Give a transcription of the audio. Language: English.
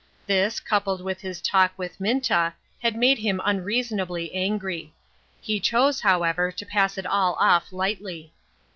This, coupled with his talk with Minta, had made him unreasonably angry. He chose, however, to pass it all off lightly.